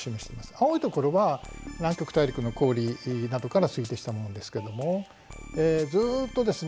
青いところは南極大陸の氷などから推定したものですけどもずっとですね